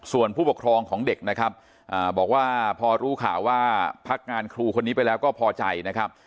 ส่วนผู้ปกครองของเด็กนะครับบอกว่าพอรู้ข่าวว่าพักงานครูคนนี้ไปแล้วก็พอใจนะครับ